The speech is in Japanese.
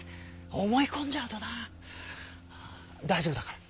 思い込んじゃうとな大丈夫だから。